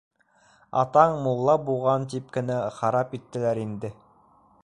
Атаң мулла буған тип кенә харап иттеләр инде.